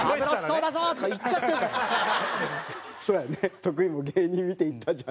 徳井も芸人見て「言ったじゃん」。